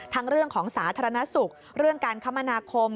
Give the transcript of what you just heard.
เรื่องของสาธารณสุขเรื่องการคมนาคม